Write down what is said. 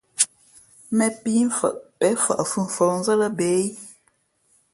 Mēn píi mfαʼ pěn fαʼ fʉ́ fα̌hnzά bě?